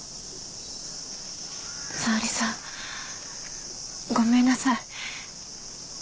沙織さんごめんなさい。